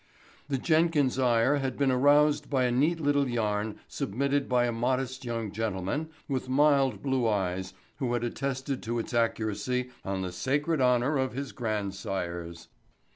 The Jenkins' ire had been aroused by a neat little yarn submitted by a modest young gentleman with mild blue eyes who had attested to its accuracy on the sacred honor of his grandsires.